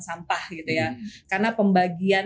sampah gitu ya karena pembagian